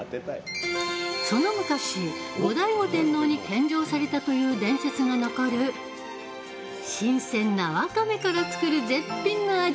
その昔、後醍醐天皇に献上されたという伝説が残る新鮮なわかめから作る絶品の味。